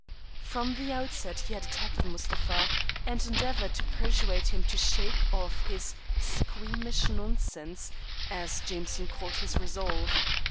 From the outset he had attacked Mustapha, and endeavoured to persuade him to shake off his "squeamish nonsense," as Jameson called his resolve.